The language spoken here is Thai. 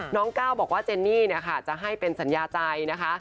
ก้าวบอกว่าเจนนี่ค่ะจะให้เป็นสัญญาใจนะคะ